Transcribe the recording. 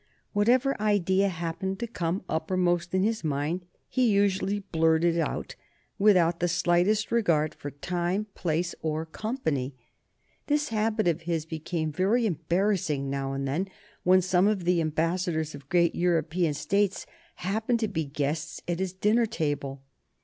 Whatever idea happened to come uppermost in his mind he usually blurted out, without the slightest regard for time, place, or company. This habit of his became very embarrassing now and then when some of the ambassadors of great European States happened to be guests at his dinner table.